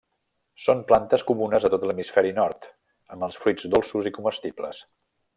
Són plantes comunes a tot l'hemisferi nord, amb els fruits dolços i comestibles.